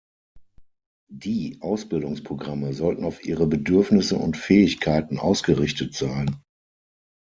Die Ausbildungsprogramme sollten auf ihre Bedürfnisse und Fähigkeiten ausgerichtet sein.